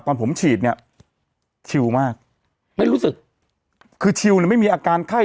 ตอนผมฉีดเนี่ยชิลมากไม่รู้สึกคือชิลเนี่ยไม่มีอาการไข้